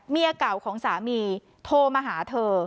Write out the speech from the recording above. เมียเก่าของสามีโทรมาหาเธอ